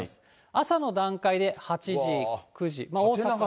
朝の段階で８時、９時、大阪。